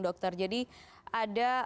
dokter jadi ada